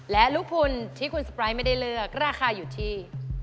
และลูกพุนที่คุณสปายไม่ได้เลือกราคาอยู่ที่